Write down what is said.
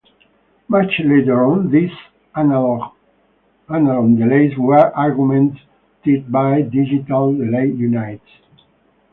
Much later on, these analong delays were augmented by Digital Delay units.